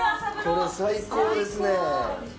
これ最高ですね。